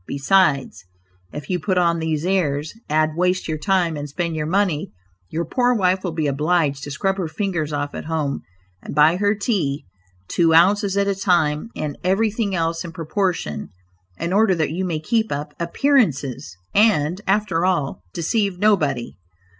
Besides, if you put on these "airs," add waste your time and spend your money, your poor wife will be obliged to scrub her fingers off at home, and buy her tea two ounces at a time, and everything else in proportion, in order that you may keep up "appearances," and, after all, deceive nobody.